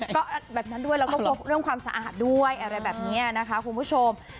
ก็แบบนั้นด้วยแล้วก็พบเรื่องความสะอาดด้วยอะไรแบบนี้นะคะคุณผู้ชม